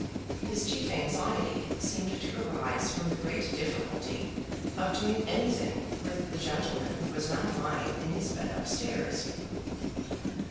His chief anxiety seemed to arise from the great difficulty of doing anything with the gentleman who was now lying in his bed up stairs.